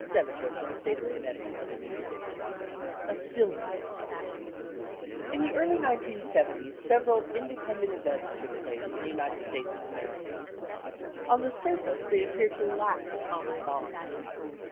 Senator From the State of Connectictit A STILLNESS In the early 1970's, several independent events took place in the United States of America. On the surface they appeared to lack a common bond.